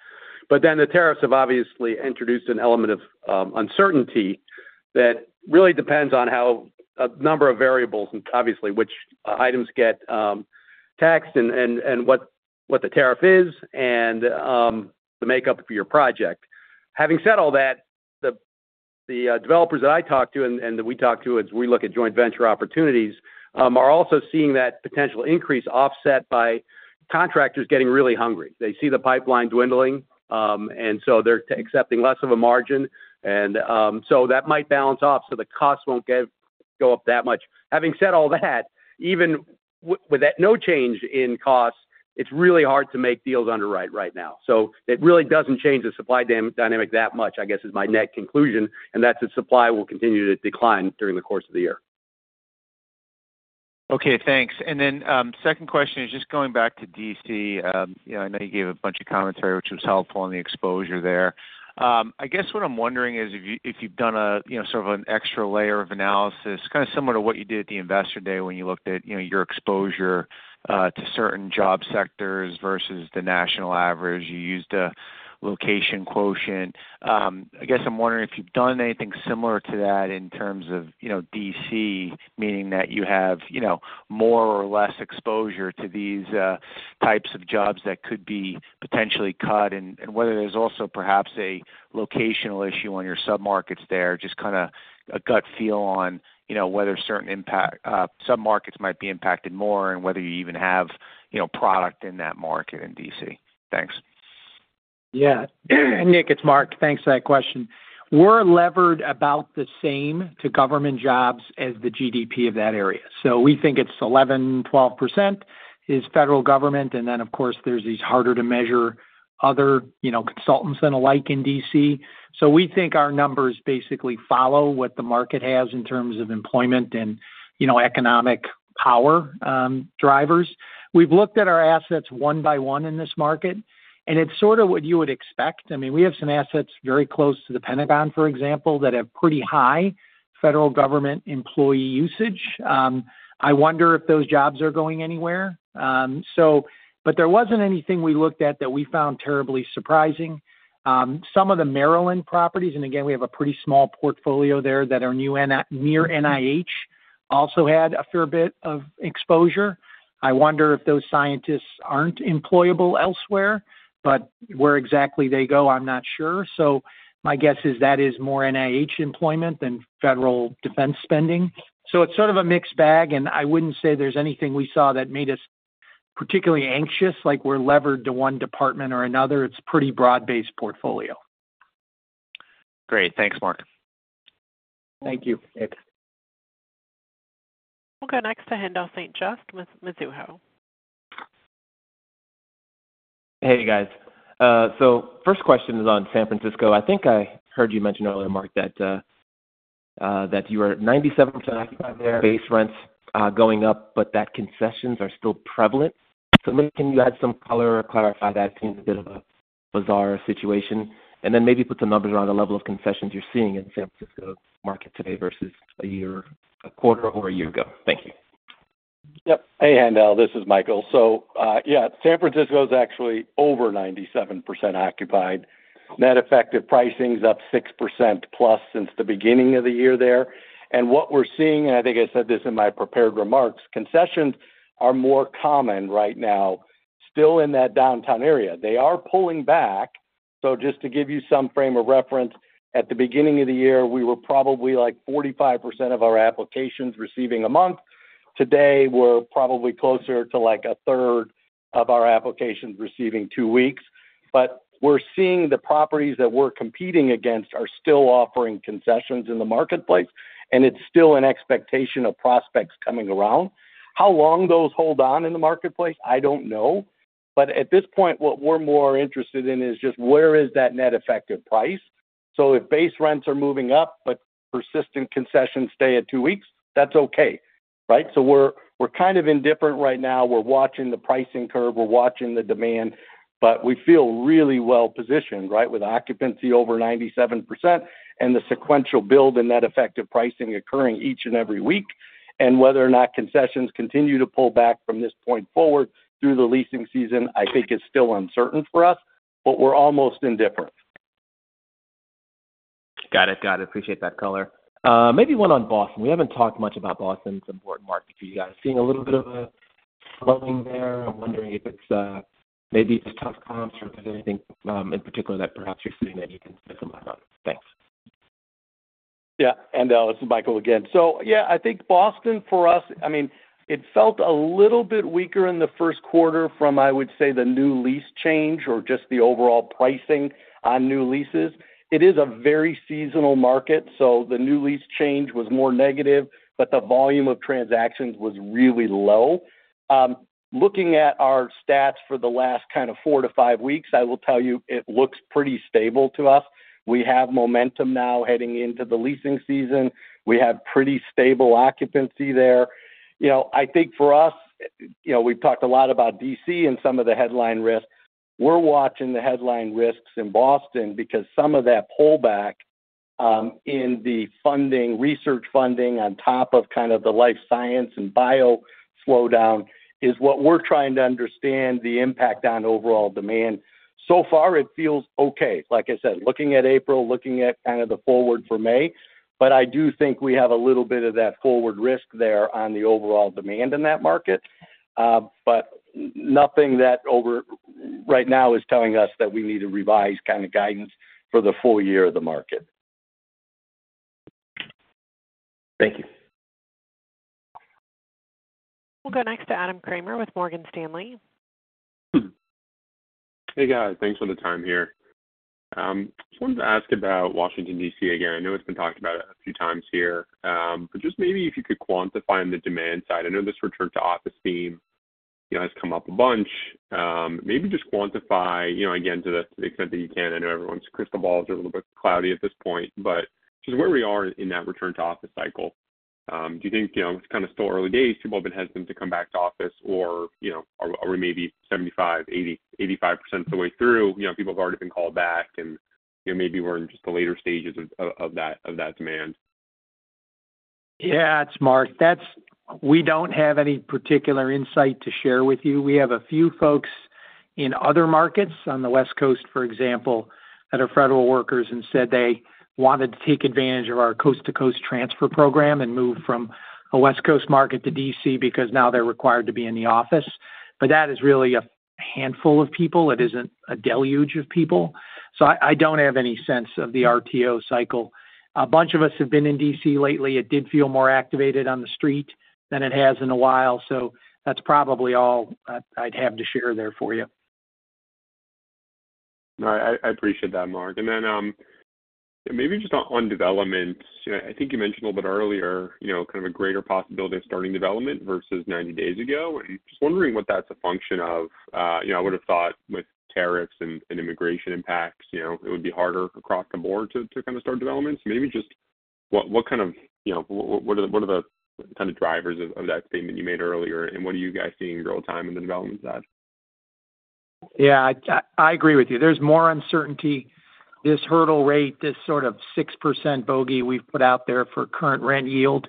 S6: The tariffs have obviously introduced an element of uncertainty that really depends on how a number of variables, obviously, which items get taxed and what the tariff is and the makeup of your project. Having said all that, the developers that I talked to and that we talked to as we look at joint venture opportunities are also seeing that potential increase offset by contractors getting really hungry. They see the pipeline dwindling, and so they're accepting less of a margin. That might balance off so the costs won't go up that much. Having said all that, even with no change in costs, it's really hard to make deals underwrite right now. It really doesn't change the supply dynamic that much, I guess, is my net conclusion. That supply will continue to decline during the course of the year.
S14: Okay. Thanks. Second question is just going back to D.C. I know you gave a bunch of commentary, which was helpful on the exposure there. I guess what I'm wondering is if you've done sort of an extra layer of analysis, kind of similar to what you did at the investor day when you looked at your exposure to certain job sectors versus the national average. You used a location quotient. I guess I'm wondering if you've done anything similar to that in terms of D.C., meaning that you have more or less exposure to these types of jobs that could be potentially cut and whether there's also perhaps a locational issue on your submarkets there, just kind of a gut feel on whether certain submarkets might be impacted more and whether you even have product in that market in D.C. Thanks.
S3: Yeah. Nick, it's Mark. Thanks for that question. We're levered about the same to government jobs as the GDP of that area. We think it's 11-12% is federal government. Of course, there's these harder-to-measure other consultants and the like in D.C. We think our numbers basically follow what the market has in terms of employment and economic power drivers. We've looked at our assets one by one in this market, and it's sort of what you would expect. I mean, we have some assets very close to the Pentagon, for example, that have pretty high federal government employee usage. I wonder if those jobs are going anywhere. There wasn't anything we looked at that we found terribly surprising. Some of the Maryland properties, and again, we have a pretty small portfolio there that are near NIH, also had a fair bit of exposure. I wonder if those scientists are not employable elsewhere, but where exactly they go, I am not sure. My guess is that is more NIH employment than federal defense spending. It is sort of a mixed bag, and I would not say there is anything we saw that made us particularly anxious. We are not levered to one department or another. It is a pretty broad-based portfolio.
S14: Great. Thanks, Mark.
S3: Thank you, Nick.
S1: We'll go next to Haendel St. Juste with Mizuho.
S15: Hey, guys. First question is on San Francisco. I think I heard you mention earlier, Mark, that you were 97% occupied there. Base rents going up, but that concessions are still prevalent. Nick, can you add some color or clarify that? It seems a bit of a bizarre situation. Maybe put some numbers around the level of concessions you're seeing in San Francisco's market today versus a quarter or a year ago. Thank you.
S4: Yep. Hey, Haendel. This is Michael. Yeah, San Francisco is actually over 97% occupied. Net effective pricing is up 6%+ since the beginning of the year there. What we are seeing, and I think I said this in my prepared remarks, concessions are more common right now, still in that downtown area. They are pulling back. Just to give you some frame of reference, at the beginning of the year, we were probably like 45% of our applications receiving a month. Today, we are probably closer to like a third of our applications receiving two weeks. We are seeing the properties that we are competing against are still offering concessions in the marketplace, and it is still an expectation of prospects coming around. How long those hold on in the marketplace, I do not know. At this point, what we're more interested in is just where is that net effective price? If base rents are moving up but persistent concessions stay at two weeks, that's okay, right? We're kind of indifferent right now. We're watching the pricing curve. We're watching the demand, but we feel really well-positioned, right, with occupancy over 97% and the sequential build and net effective pricing occurring each and every week. Whether or not concessions continue to pull back from this point forward through the leasing season, I think it's still uncertain for us, but we're almost indifferent.
S15: Got it. Got it. Appreciate that color. Maybe one on Boston. We have not talked much about Boston. It is an important market for you guys. Seeing a little bit of a slowing there. I am wondering if it is maybe just tough comps or if there is anything in particular that perhaps you are seeing that you can spend some money on. Thanks.
S4: Yeah. Haendel, this is Michael again. Yeah, I think Boston for us, I mean, it felt a little bit weaker in the first quarter from, I would say, the new lease change or just the overall pricing on new leases. It is a very seasonal market, so the new lease change was more negative, but the volume of transactions was really low. Looking at our stats for the last kind of four to five weeks, I will tell you it looks pretty stable to us. We have momentum now heading into the leasing season. We have pretty stable occupancy there. I think for us, we have talked a lot about D.C. and some of the headline risks. We're watching the headline risks in Boston because some of that pullback in the research funding on top of kind of the life science and bio slowdown is what we're trying to understand the impact on overall demand. So far, it feels okay. Like I said, looking at April, looking at kind of the forward for May, but I do think we have a little bit of that forward risk there on the overall demand in that market, but nothing that right now is telling us that we need to revise kind of guidance for the full year of the market.
S15: Thank you.
S1: We'll go next to Adam Kramer with Morgan Stanley.
S16: Hey, guys. Thanks for the time here. Just wanted to ask about Washington, D.C. again. I know it's been talked about a few times here, but just maybe if you could quantify on the demand side. I know this return to office theme has come up a bunch. Maybe just quantify again to the extent that you can. I know everyone's crystal balls are a little bit cloudy at this point, but just where we are in that return-to-office cycle. Do you think it's kind of still early days? People have been hesitant to come back to office, or are we maybe 75%, 80%, 85% of the way through? People have already been called back, and maybe we're in just the later stages of that demand.
S3: Yeah. It's Mark. We don't have any particular insight to share with you. We have a few folks in other markets on the West Coast, for example, that are federal workers and said they wanted to take advantage of our coast-to-coast transfer program and move from a West Coast market to D.C. because now they're required to be in the office. That is really a handful of people. It isn't a deluge of people. I don't have any sense of the RTO cycle. A bunch of us have been in D.C. lately. It did feel more activated on the street than it has in a while. That's probably all I'd have to share there for you.
S16: All right. I appreciate that, Mark. Maybe just on developments, I think you mentioned a little bit earlier kind of a greater possibility of starting development versus 90 days ago. Just wondering what that's a function of. I would have thought with tariffs and immigration impacts, it would be harder across the board to kind of start developments. Maybe just what are the kind of drivers of that statement you made earlier, and what are you guys seeing real-time in the developments?
S3: Yeah. I agree with you. There's more uncertainty. This hurdle rate, this sort of 6% bogey we've put out there for current rent yield,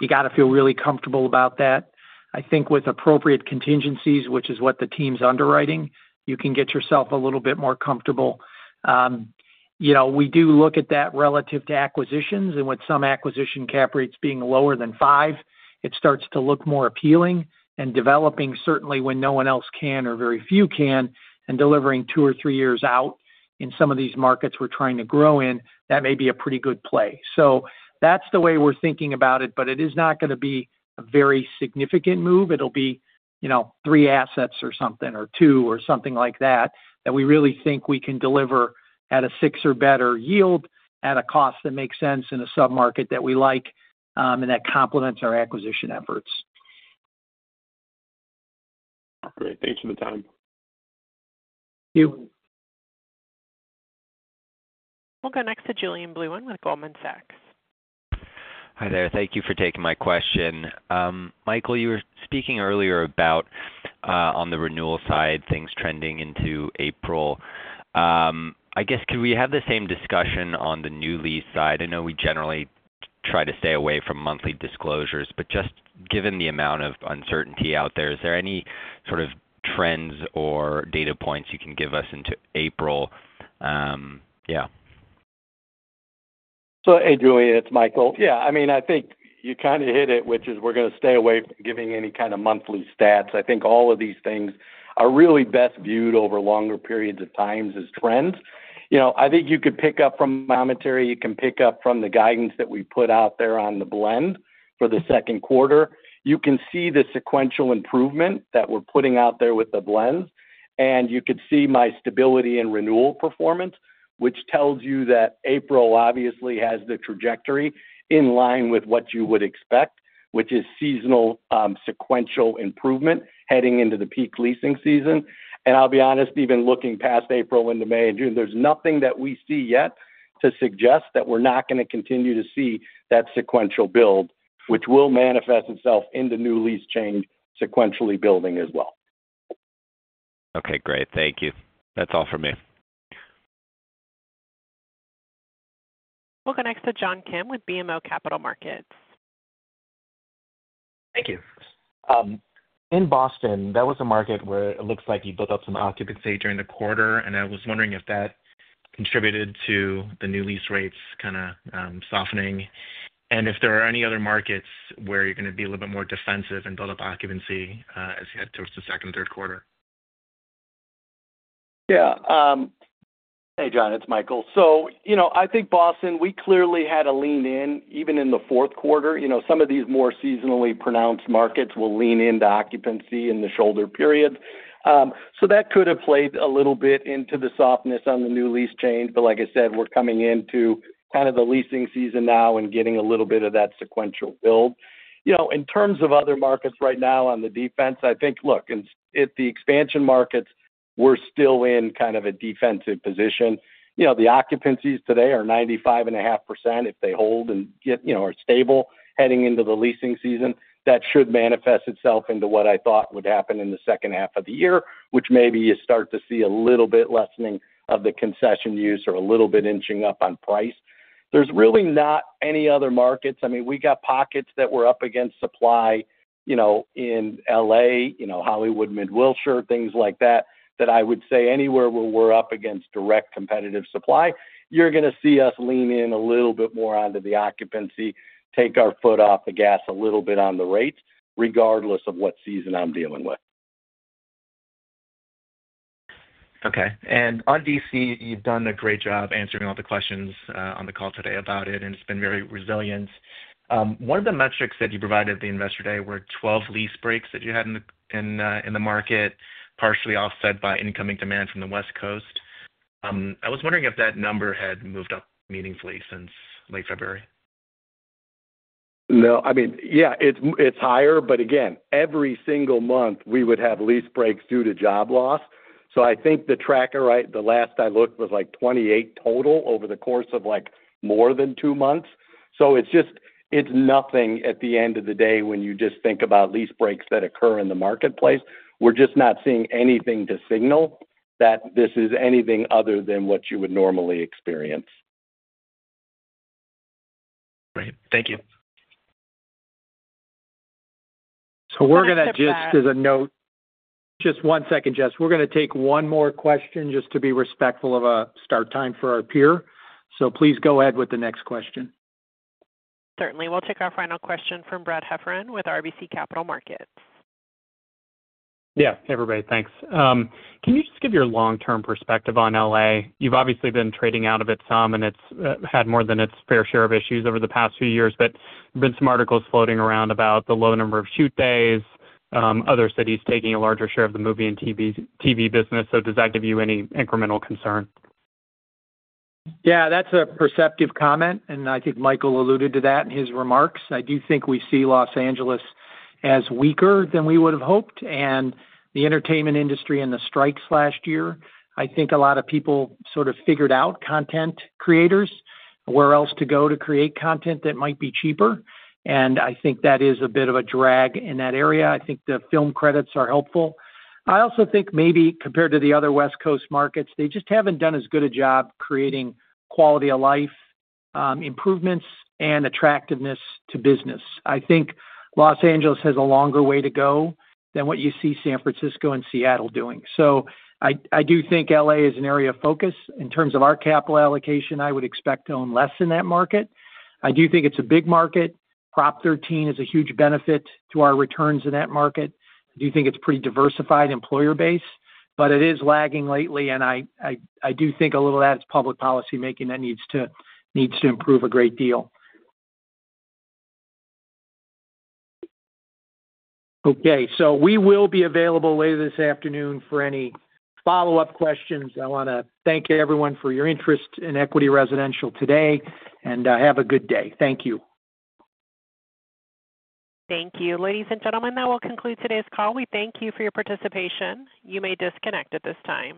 S3: you got to feel really comfortable about that. I think with appropriate contingencies, which is what the team's underwriting, you can get yourself a little bit more comfortable. We do look at that relative to acquisitions. With some acquisition cap rates being lower than 5%, it starts to look more appealing. Developing, certainly when no one else can or very few can, and delivering two or three years out in some of these markets we're trying to grow in, that may be a pretty good play. That is the way we're thinking about it, but it is not going to be a very significant move. It'll be three assets or something or two or something like that that we really think we can deliver at a six or better yield at a cost that makes sense in a submarket that we like and that complements our acquisition efforts.
S16: Great. Thanks for the time.
S3: Thank you.
S1: We'll go next to Julien Blouin with Goldman Sachs.
S17: Hi there. Thank you for taking my question. Michael, you were speaking earlier about on the renewal side, things trending into April. I guess could we have the same discussion on the new lease side? I know we generally try to stay away from monthly disclosures, but just given the amount of uncertainty out there, is there any sort of trends or data points you can give us into April? Yeah.
S4: Hey, Julian. It's Michael. Yeah. I mean, I think you kind of hit it, which is we're going to stay away from giving any kind of monthly stats. I think all of these things are really best viewed over longer periods of time as trends. I think you could pick up from commentary. You can pick up from the guidance that we put out there on the blend for the second quarter. You can see the sequential improvement that we're putting out there with the blends. You could see my stability in renewal performance, which tells you that April obviously has the trajectory in line with what you would expect, which is seasonal sequential improvement heading into the peak leasing season. I'll be honest, even looking past April into May and June, there's nothing that we see yet to suggest that we're not going to continue to see that sequential build, which will manifest itself in the new lease change sequentially building as well.
S17: Okay. Great. Thank you. That's all for me.
S1: We'll go next to John Kim with BMO Capital Markets.
S18: Thank you. In Boston, that was a market where it looks like you built up some occupancy during the quarter, and I was wondering if that contributed to the new lease rates kind of softening and if there are any other markets where you're going to be a little bit more defensive and build up occupancy as you head towards the second and third quarter.
S4: Yeah. Hey, John. It's Michael. I think Boston, we clearly had a lean in even in the fourth quarter. Some of these more seasonally pronounced markets will lean into occupancy in the shoulder period. That could have played a little bit into the softness on the new lease change. Like I said, we're coming into kind of the leasing season now and getting a little bit of that sequential build. In terms of other markets right now on the defense, I think, look, at the expansion markets, we're still in kind of a defensive position. The occupancies today are 95.5% if they hold and are stable heading into the leasing season. That should manifest itself into what I thought would happen in the second half of the year, which maybe you start to see a little bit lessening of the concession use or a little bit inching up on price. There is really not any other markets. I mean, we got pockets that were up against supply in L.A., Hollywood, Mid-Wilshire, things like that, that I would say anywhere where we are up against direct competitive supply, you are going to see us lean in a little bit more onto the occupancy, take our foot off the gas a little bit on the rates regardless of what season I am dealing with.
S18: Okay. On D.C., you've done a great job answering all the questions on the call today about it, and it's been very resilient. One of the metrics that you provided the investor today were 12 lease breaks that you had in the market, partially offset by incoming demand from the West Coast. I was wondering if that number had moved up meaningfully since late February.
S4: No. I mean, yeah, it's higher. Again, every single month, we would have lease breaks due to job loss. I think the tracker, right, the last I looked was like 28 total over the course of more than two months. It's nothing at the end of the day when you just think about lease breaks that occur in the marketplace. We're just not seeing anything to signal that this is anything other than what you would normally experience.
S18: Great. Thank you.
S3: We're going to just as a note, just one second, Jess. We're going to take one more question just to be respectful of a start time for our peer. Please go ahead with the next question.
S1: Certainly. We'll take our final question from Brad Heffern with RBC Capital Markets.
S19: Yeah. Hey, everybody. Thanks. Can you just give your long-term perspective on L.A.? You've obviously been trading out of it some, and it's had more than its fair share of issues over the past few years, but there have been some articles floating around about the low number of shoot days, other cities taking a larger share of the movie and TV business. Does that give you any incremental concern?
S3: Yeah. That's a perceptive comment. I think Michael alluded to that in his remarks. I do think we see Los Angeles as weaker than we would have hoped. The entertainment industry and the strikes last year, I think a lot of people sort of figured out content creators where else to go to create content that might be cheaper. I think that is a bit of a drag in that area. I think the film credits are helpful. I also think maybe compared to the other West Coast markets, they just have not done as good a job creating quality of life improvements and attractiveness to business. I think Los Angeles has a longer way to go than what you see San Francisco and Seattle doing. I do think L.A. is an area of focus. In terms of our capital allocation, I would expect to own less in that market. I do think it's a big market. Prop 13 is a huge benefit to our returns in that market. I do think it's a pretty diversified employer base, but it is lagging lately. I do think a little of that is public policy making that needs to improve a great deal. Okay. We will be available later this afternoon for any follow-up questions. I want to thank everyone for your interest in Equity Residential today, and have a good day. Thank you.
S1: Thank you. Ladies and gentlemen, that will conclude today's call. We thank you for your participation. You may disconnect at this time.